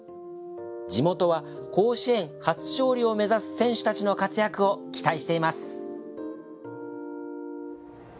地元は、甲子園初勝利を目指す選手たちの活躍を期待しています。